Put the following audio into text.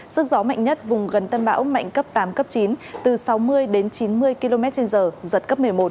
sức gió mạnh nhất vùng gần tâm bão mạnh cấp tám cấp chín từ sáu mươi đến chín mươi km trên giờ giật cấp một mươi một